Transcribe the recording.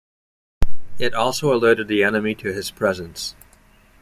It also alerted the enemy to his presence.